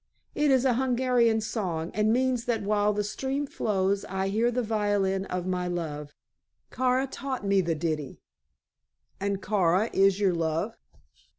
"It is an Hungarian song, and means that while the stream flows I hear the violin of my love. Kara taught me the ditty." "And Kara is your love?"